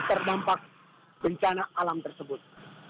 terdampak bencana alam tersebut